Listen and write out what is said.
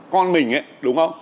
con mình ấy đúng không